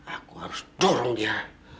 aku harus dorong dia